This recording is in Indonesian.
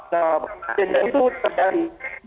nah jadi itu terjadi